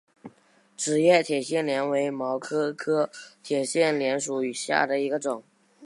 齿叶铁线莲为毛茛科铁线莲属下的一个种。